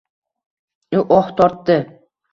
U oh tortdi: